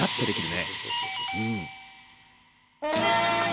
そうそうそうそうそう。